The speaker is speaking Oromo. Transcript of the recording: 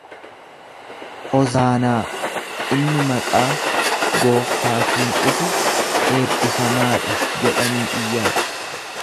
Hozaanaa, inni maqaa Gooftaatiin dhufu eebbifamaa dha jedhanii iyyan.